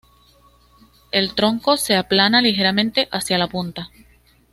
El tronco se aplana ligeramente hacia la punta.